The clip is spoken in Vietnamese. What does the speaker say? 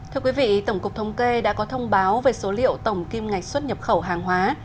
thưa quý vị tổng cục thống kê đã có thông báo về số liệu tổng kim ngạch xuất nhập khẩu hàng hóa